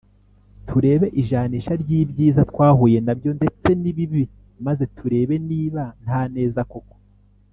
turebe ijanisha ry ibyiza twahuye na byo ndetse nibibi maze turebe niba nta neza koko.